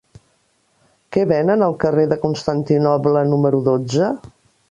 Què venen al carrer de Constantinoble número dotze?